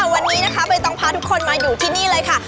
วันนี้นะคะใบตองพาทุกคนมาอยู่ที่นี่เลยค่ะ